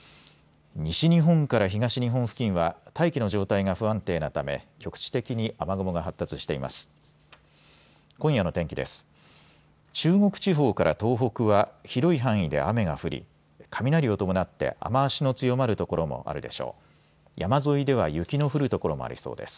西日本から東日本付近は大気の状態が不安定なため局地的に雨雲が発達しています。